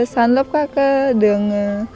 săn lấp các đường